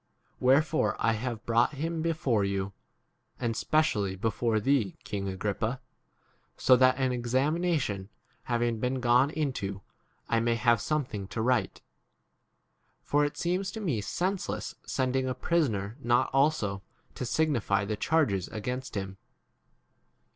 Where fore I have brought him before you, and specially before thee, king Agrippa, so that an examination having been gone into I may have 2 ? something to write : for it seems . to me senseless sending a prisoner not also to signify the charges against him.